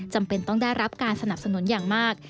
จำเป็นต้องได้รับการสนับสนุนอย่างมาก